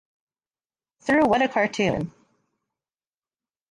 Through What a Cartoon!